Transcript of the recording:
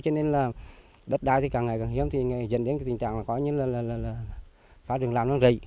cho nên là đất đai thì càng ngày càng hiếm thì dần đến cái tình trạng là coi như là